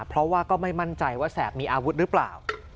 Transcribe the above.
เพราะว่าก็ไม่มั่นใจว่าแสบมีอาวุธหรือเปล่า